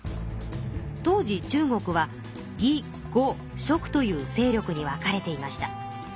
当時中国は魏呉蜀という勢力に分かれていました。